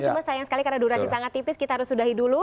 cuma sayang sekali karena durasi sangat tipis kita harus sudahi dulu